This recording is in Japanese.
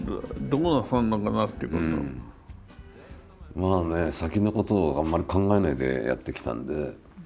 まあね先のことをあんまり考えないでやってきたんで。